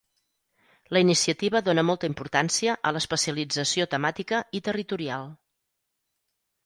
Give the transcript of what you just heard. La iniciativa dona molta importància a l'especialització temàtica i territorial.